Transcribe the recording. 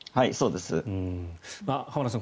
浜田さん